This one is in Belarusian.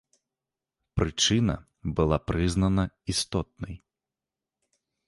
Прычына была прызнана істотнай.